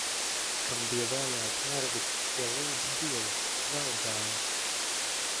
Kam bija vājāki nervi tie lūdza Dievu, raudāja.